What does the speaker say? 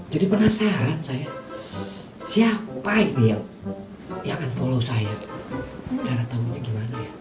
jadi penasaran saya siapa ini yang unfollow saya cara tahunya gimana ya